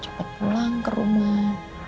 cepat pulang ke rumah